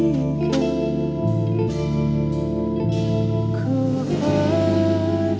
menuju ke tempat